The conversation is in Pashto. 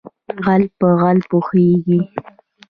ـ غل په غل پوهېږي.